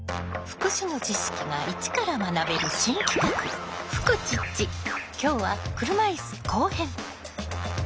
福祉の知識が一から学べる新企画今日は車いす後編。